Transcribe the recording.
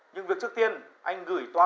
không phải anh nói gì nữa